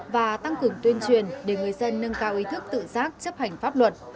và tăng cường tuyên truyền để người dân nâng cao ý thức tự giác chấp hành pháp luật